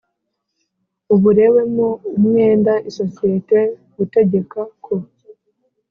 uburewemo umwenda isosiyete gutegeka ko